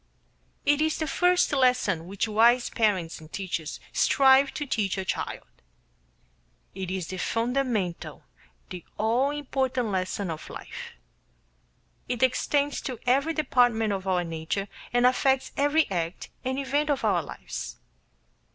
It is the first lesson which wise parents and teachers strive to teach a child. It is the fundamental, the all important lesson of life. It extends to every department of our nature and affects every act and event of our lives.